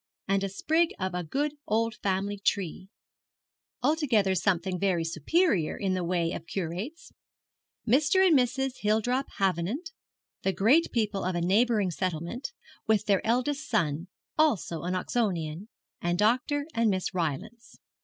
and a sprig of a good old family tree, altogether something very superior in the way of curates; Mr. and Mrs. Hildrop Havenant, the great people of a neighbouring settlement, with their eldest son, also an Oxonion; and Dr. and Miss Rylance.